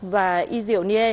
và y diệu nghê